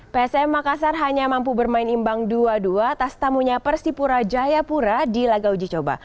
psm makassar hanya mampu bermain imbang dua dua atas tamunya persipura jayapura di laga uji coba